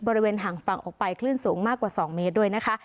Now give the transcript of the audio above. บริเวณห่างฝั่งออกไปคลื่นสูงมากกว่า๒เมตรด้วยนะคะ